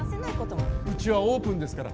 うちはオープンですから。